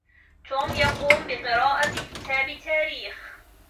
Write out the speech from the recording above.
توم يقوم بقرآءة كتاب تاريخ.